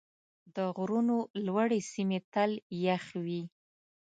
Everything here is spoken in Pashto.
د غرونو لوړې سیمې تل یخ وي.